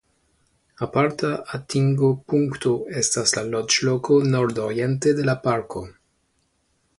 Aparta atingopunkto estas la loĝloko nordoriente de la parko.